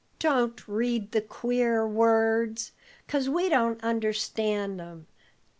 "Don't read the queer words, 'cause we don't understand 'em.